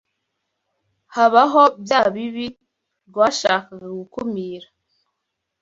habaho bya bibi rwashakaga gukumīra